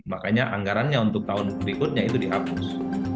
makanya anggarannya untuk tahun berikutnya itu dihapus